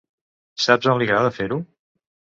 Saps on li agrada fer-ho?